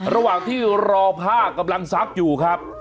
ระหว่างที่รอผ้ากำลังซักอยู่ครับ